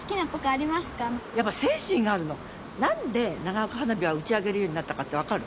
何で長岡花火は打ち上げるようになったかって分かる？